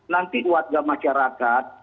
nanti uatga masyarakat